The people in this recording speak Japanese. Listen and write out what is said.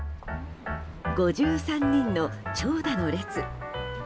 ５３人の長蛇の列。